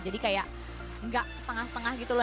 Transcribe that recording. jadi kayak enggak setengah setengah gitu loh